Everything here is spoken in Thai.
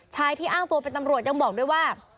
ชายที่อ้างตัวเป็นตำรวจยังบอกด้วยว่า